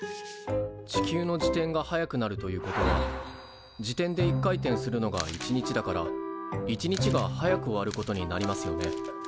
地球の自転が速くなるということは自転で一回転するのが１日だから１日が早く終わることになりますよね。